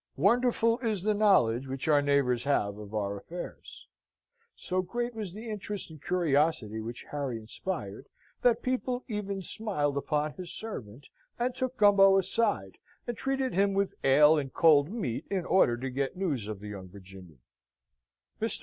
Wonderful is the knowledge which our neighbours have of our affairs! So great was the interest and curiosity which Harry inspired, that people even smiled upon his servant, and took Gumbo aside and treated him with ale and cold meat, in order to get news of the young Virginian. Mr.